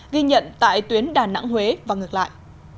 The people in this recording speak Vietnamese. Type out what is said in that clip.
ghi nhận tại tuyến đà nẵng huế và ngược lại